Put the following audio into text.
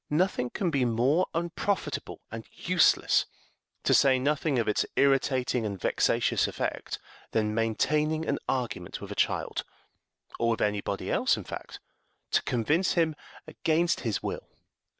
Nothing can be more unprofitable and useless, to say nothing of its irritating and vexatious effect, than maintaining an argument with a child or with any body else, in fact to convince him against his will.